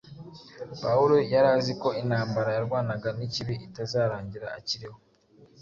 Pawulo yari azi ko intambara yarwanaga n’ikibi itazarangira akiriho.